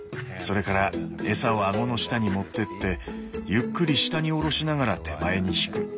それから餌を顎の下に持ってってゆっくり下におろしながら手前に引く。